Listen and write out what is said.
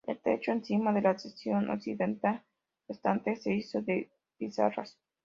El techo encima de la sección occidental restante se hizo de pizarras.